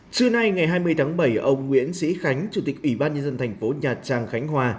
trưa nay ngày hai mươi tháng bảy ông nguyễn sĩ khánh chủ tịch ủy ban nhân dân thành phố nhà trang khánh hòa